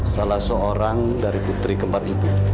salah seorang dari putri kembar ibu